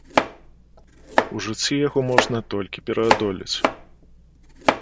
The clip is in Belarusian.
У жыцці яго можна толькі пераадолець.